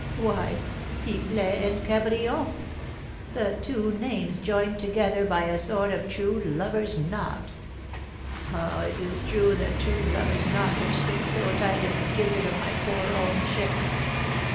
why, 'Pipelet and Cabrion!' the two names joined together by a sort of true lover's knot. (Ah, it is that true lover's knot which sticks so tight in the gizzard of my poor old chick!)